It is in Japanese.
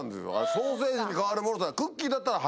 ソーセージに代わるものっつったら。